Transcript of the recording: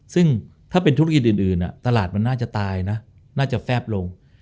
ซึ่งถ้าเป็นธุรกิจอื่นตลาดมันน่าจะตายนะน่าจะแฟบลง